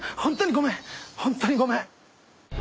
ホントにごめん。